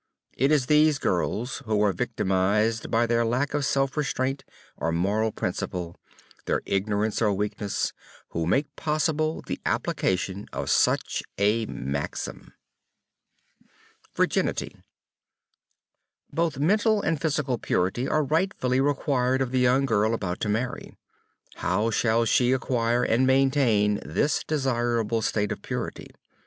It is these girls, who are victimized by their lack of self restraint or moral principle, their ignorance or weakness, who make possible the application of such a maxim. VIRGINITY Both mental and physical purity are rightfully required of the young girl about to marry. How shall she acquire and maintain this desirable state of purity?